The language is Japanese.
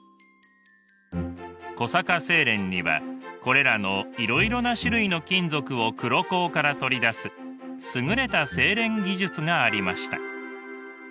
小坂製錬にはこれらのいろいろな種類の金属を黒鉱から取り出す優れた製錬技術がありました。